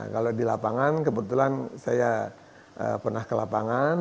kalau di lapangan kebetulan saya pernah ke lapangan